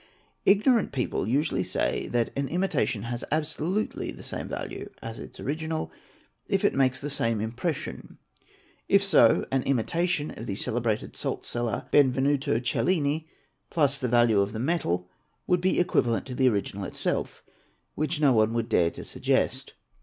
Ignorant people usually say that an imitation has absolutely the same value as its original, if it makes the same impression ; if so, an imitation of the celebrated salt celler Benvenuto Cellini plus the value of the metal would be equivalent to the original itself: which no one 'would dare to suggest.